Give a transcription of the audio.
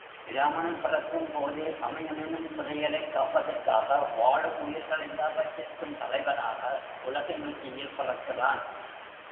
பிராமணன் பிறக்கும்போதே சமயம் எனும் புதையலைக் காப்பதற்காக வாழும் உயிர்கள் எல்லாவற்றிற்கும் தலைவனாக உலகின் உச்சியில் பிறக்கிறான்.